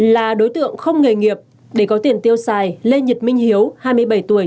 là đối tượng không nghề nghiệp để có tiền tiêu xài lê nhật minh hiếu hai mươi bảy tuổi